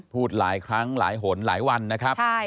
พูดหลายครั้งหลายหนหลายวันนะครับ